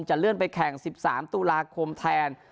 เลื่อนไปแข่ง๑๓ตุลาคมแทน